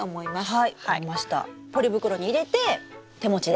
はい。